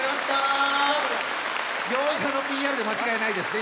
ギョーザのＰＲで間違いないですね？